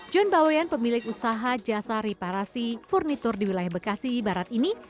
john baweyan pemilik usaha jasa reparasi furnitur di wilayah bekasi barat ini